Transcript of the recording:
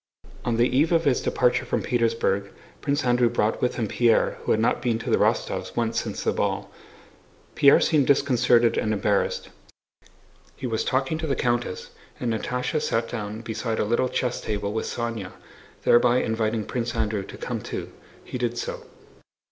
On the eve of his departure from Petersburg Prince Andrew brought with him Pierre, who had not been to the Rostóvs' once since the ball. Pierre seemed disconcerted and embarrassed. He was talking to the countess, and Natásha sat down beside a little chess table with Sónya, thereby inviting Prince Andrew to come too. He did so.